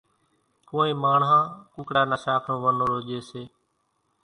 ڪونئين ماڻۿان ڪُوڪڙا نا شاک نو ونورو ڄيَ سي۔